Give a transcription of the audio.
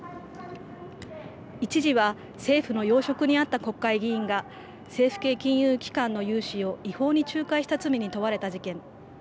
一時は政府の要職にあった国会議員が政府系金融機関の融資を違法に仲介した罪に問われた事件。